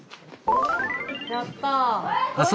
やった。